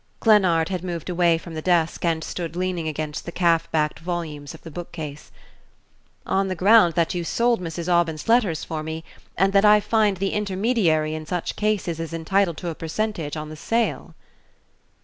Glennard had moved away from the desk and stood leaning against the calf backed volumes of the bookcase. "On the ground that you sold Mrs. Aubyn's letters for me, and that I find the intermediary in such cases is entitled to a percentage on the sale."